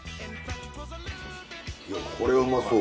いやこれはうまそう。